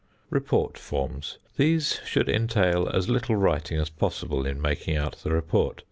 Report forms. These should entail as little writing as possible in making out the report.